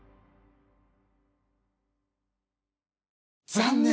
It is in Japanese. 残念。